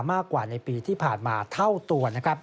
มากกว่าในปีที่ผ่านมาเท่าตัว